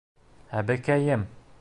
Әбекәйем!